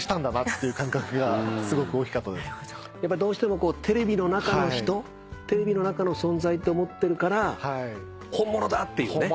どうしてもテレビの中の人テレビの中の存在って思ってるから本物だっていうね。